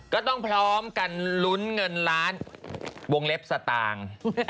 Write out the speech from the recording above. ก็ต้องพร้อมกันลุ้นเงินล้านวงเล็บสตางค์